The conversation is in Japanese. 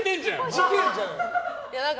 事件じゃん。